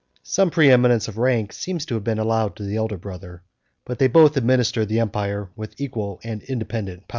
Some preeminence of rank seems to have been allowed to the elder brother; but they both administered the empire with equal and independent power.